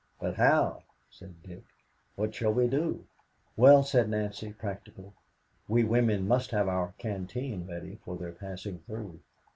"But how?" said Dick. "What shall we do?" "Well," said Nancy, practically, "we women must have our canteen ready for their passing through."